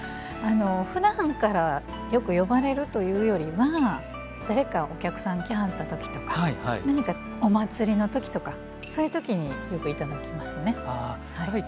ふだんからよく呼ばれるというよりは誰かお客さんが来はった時とか何かお祭りの時とかそういう時によく頂きますね。